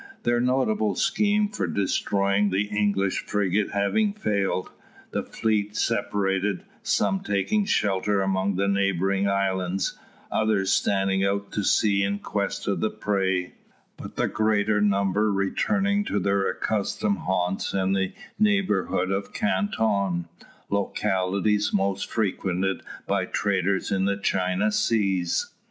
Their notable scheme for destroying the English frigate having failed, the fleet separated, some taking shelter among the neighbouring islands, others standing out to sea in quest of prey; but the greater number returning to their accustomed haunts in the neighbourhood of Canton, localities most frequented by traders in the China seas.